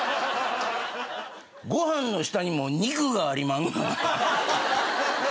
ご飯の下にも肉がありまんがな。